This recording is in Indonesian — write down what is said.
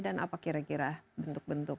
dan apa kira kira bentuk bentuk